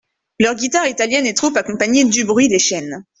Leur guitare italienne est trop accompagnée du bruit des chaînes !